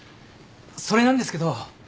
それなんですけど。